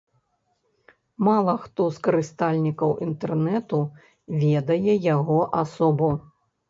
Мала хто з карыстальнікаў інтэрнэту ведае яго асобу.